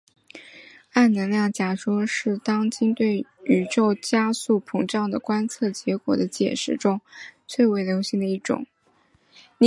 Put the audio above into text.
暗能量假说是当今对宇宙加速膨胀的观测结果的解释中最为流行的一种。